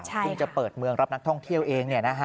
เพิ่งจะเปิดเมืองรับนักท่องเที่ยวเอง